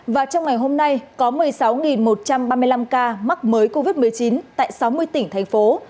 và trong ngày hôm nay có một mươi sáu một trăm ba mươi năm ca mắc mới covid một mươi chín tại sáu mươi tỉnh thành phố